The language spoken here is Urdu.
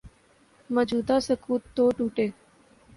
موجودہ سکوت تو ٹوٹے۔